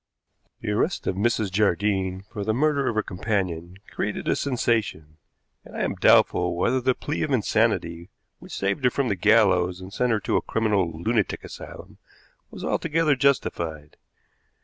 The arrest of Mrs. Jardine for the murder of her companion created a sensation, and I am doubtful whether the plea of insanity which saved her from the gallows and sent her to a criminal lunatic asylum was altogether justified.